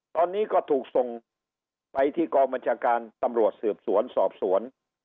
ตอนนี้ก็ถูกส่งไปที่กองบัญชาการตำรวจสืบสวนสอบสวน